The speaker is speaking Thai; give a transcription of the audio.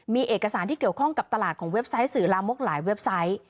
มีเอกสารที่เกี่ยวข้องกับตลาดของเว็บไซต์สื่อลามกหลายเว็บไซต์